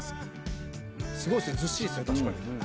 すごいっすねずっしりですね。